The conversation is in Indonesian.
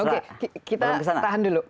oke kita tahan dulu